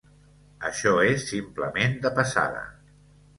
Això és simplement de passada.